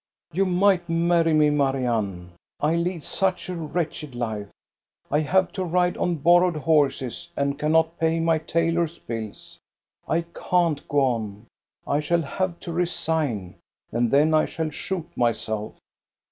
" You might marry me, Marianne. I lead such a wretched life. I have to ride on borrowed horses and cannot pay my tailor's bills. It can't go on. I shall have to resign, and then I shall shoot myself."